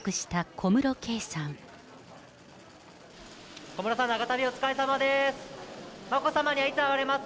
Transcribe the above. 小室さん、長旅お疲れさまです。